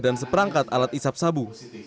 seperangkat alat isap sabu